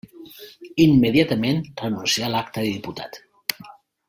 Immediatament, renuncià a l'acta de diputat.